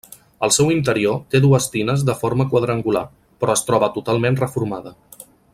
Al seu interior té dues tines de forma quadrangular, però es troba totalment reformada.